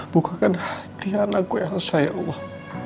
bukakan hati anakku yang saya ya allah